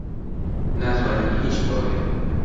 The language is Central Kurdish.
ناتوانین هیچ بگۆڕین.